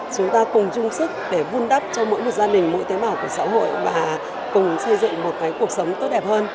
chúng ta cùng chung sức để vun đắp cho mỗi một gia đình mỗi tế bào của xã hội và cùng xây dựng một cuộc sống tốt đẹp hơn